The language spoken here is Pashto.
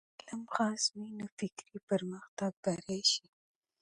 که علم خالص وي، نو فکري پرمختګ به راسي.